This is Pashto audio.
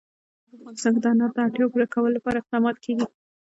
په افغانستان کې د انار د اړتیاوو پوره کولو لپاره اقدامات کېږي.